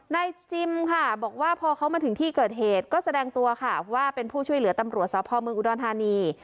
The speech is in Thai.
นายจิมค่ะบอกว่าพอเขามาถึงที่เกิดเหตุก็แสดงตัวค่ะว่าเป็นผู้ช่วยเหลือตำรวจสพเมืองอุดรธานี